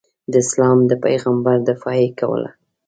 د اسلام د پیغمبر دفاع یې کوله.